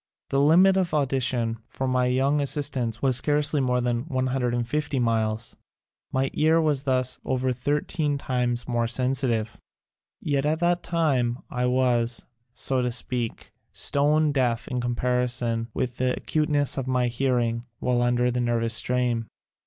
The limit of audition for my young assistants was scarcely more than 150 miles. My ear was thus over thirteen times more sensitive. Yet at that time I was, so to speak, stone deaf in comparison with the acuteness of my hearing while under the nervous strain.